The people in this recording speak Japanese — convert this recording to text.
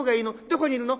どこにいるの？